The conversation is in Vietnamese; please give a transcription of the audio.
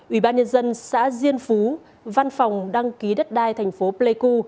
ủy ban nhân dân xã diên phú văn phòng đăng ký đất đai tp pleiku